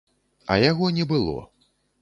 А яго не было.